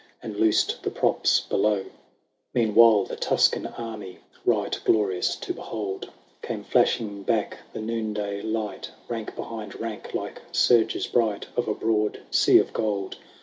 And loosed the props below. HOKATIUS. 61 XXXV. Meanwhile the Tuscan army, Right glorious to behold, Came flashing back the noonday light. Rank behind rank, like surges bright Of a broad sea of gold.